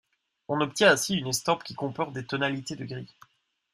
On obtient ainsi une estampe qui comporte des tonalités de gris.